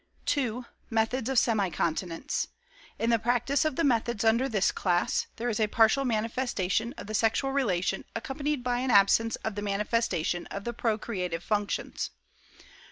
II. METHODS OF SEMI CONTINENCE. In the practice of the methods under this class, there is a partial manifestation of the sexual relation accompanied by an absence of the manifestation of the procreative functions.